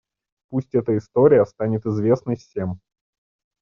Пусть эта история станет известной всем.